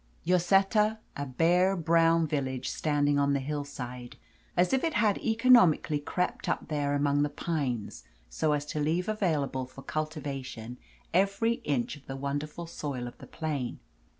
Lloseta, a bare, brown village, standing on the hillside, as if it had economically crept up there among the pines, so as to leave available for cultivation every inch of the wonderful soil of the plain.